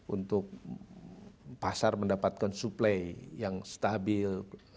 untuk pasar mendapatkan suplai yang stabil